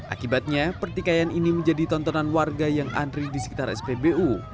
akibatnya pertikaian ini menjadi tontonan warga yang antri di sekitar spbu